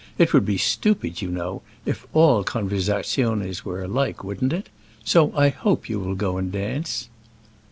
It would be stupid, you know, if all conversaziones were alike; wouldn't it? So I hope you will go and dance."